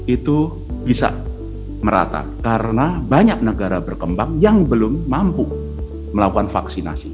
itu bisa merata karena banyak negara berkembang yang belum mampu melakukan vaksinasi